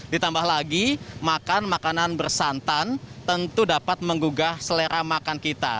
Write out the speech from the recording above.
ditambah lagi makan makanan bersantan tentu dapat menggugah selera makan kita